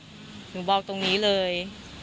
บางทุกษีตอนนี้เลย